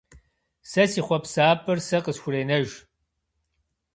Сэ си хъуэпсапӏэр сэ къысхуренэж!